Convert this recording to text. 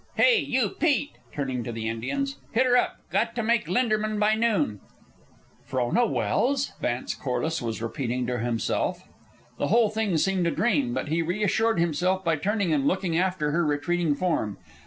"Hey, you Pete!" turning to the Indians. "Hit 'er up! Got to make Linderman by noon!" "Frona Welse?" Vance Corliss was repeating to himself. The whole thing seemed a dream, and he reassured himself by turning and looking after her retreating form.